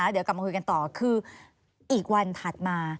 เดี๋ยวกลับมาคุยกันต่อคืออีกวันถัดมา